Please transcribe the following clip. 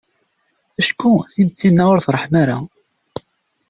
Acku timetti-nneɣ ur treḥḥem ara.